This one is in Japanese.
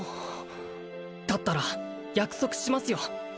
だったら約束しますよ